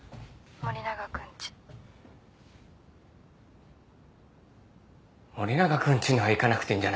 森永君ちには行かなくていいんじゃないかな。